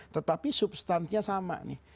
tetapi substansinya sama nih